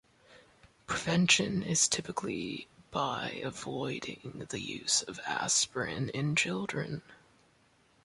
Prevention is typically by avoiding the use of aspirin in children.